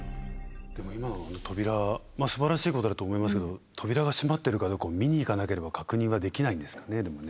今の扉すばらしいことだと思いますけど扉が閉まってるかどうかを見に行かなければ確認はできないんですかねでもね。